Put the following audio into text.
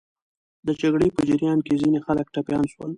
د جګړې په جریان کې ځینې خلک ټپیان سول.